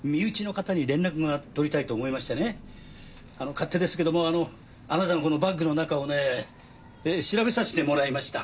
勝手ですけどもあなたのこのバッグの中をね調べさせてもらいました。